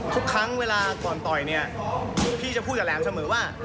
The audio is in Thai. ทุกครั้งเวลาก่อนต่อยเนี่ยพี่จะพูดกับแหลมเสมอว่า